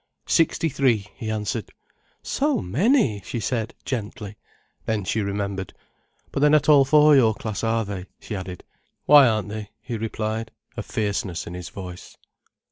"Sixty three," he answered. "So many!" she said, gently. Then she remembered. "But they're not all for your class, are they?" she added. "Why aren't they?" he replied, a fierceness in his voice.